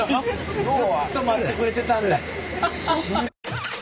ずっと待ってくれてたんだ。